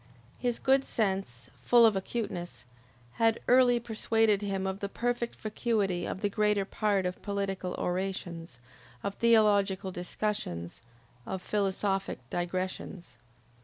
His good sense, full of acuteness, had early persuaded him of the perfect vacuity of the greater part of political orations, of theological discussions, of philosophic digressions.